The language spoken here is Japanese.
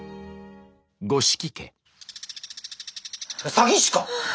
詐欺師か！？